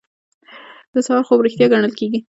د سهار خوب ریښتیا ګڼل کیږي.